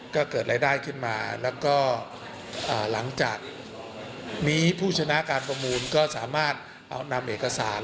ก็เกิดรายได้ขึ้นมาแล้วก็หลังจากนี้ผู้ชนะการประมูลก็สามารถเอานำเอกสาร